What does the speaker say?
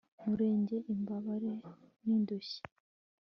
murengere imbabare n'indushyi